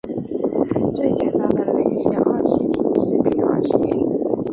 最简单的累积二烯烃是丙二烯。